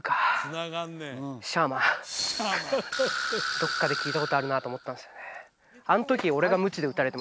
どっかで聞いたことあるなと思ったんですよね